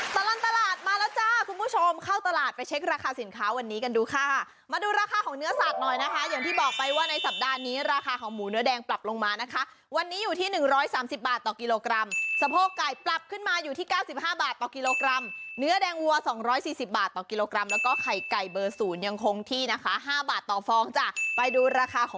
ตลาดตลาดมาแล้วจ้าคุณผู้ชมเข้าตลาดไปเช็คราคาสินค้าวันนี้กันดูค่ะมาดูราคาของเนื้อสัตว์หน่อยนะคะอย่างที่บอกไปว่าในสัปดาห์นี้ราคาของหมูเนื้อแดงปรับลงมานะคะวันนี้อยู่ที่หนึ่งร้อยสามสิบบาทต่อกิโลกรัมสะโพกไก่ปรับขึ้นมาอยู่ที่เก้าสิบห้าบาทต่อกิโลกรัมเนื้อแดงวัวสองร้อยสี่สิบ